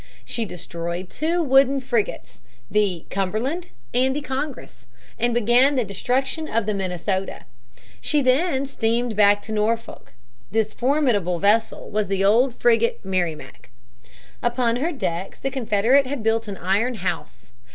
She destroyed two wooden frigates, the Cumberland and the Congress, and began the destruction of the Minnesota. She then steamed back to Norfolk. This formidable vessel was the old frigate Merrimac. Upon her decks the Confederates had built an iron house.